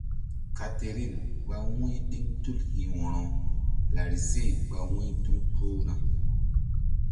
Katerin ɓa wu̧y ɗiŋ tul hi̧ wo̧ro larise ɓa wu̧y tul kpuhna.